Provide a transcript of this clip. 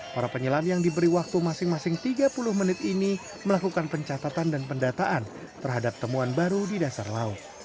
para penyelam yang diberi waktu masing masing tiga puluh menit ini melakukan pencatatan dan pendataan terhadap temuan baru di dasar laut